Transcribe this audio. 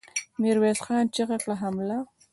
ميرويس خان چيغه کړه! حمله!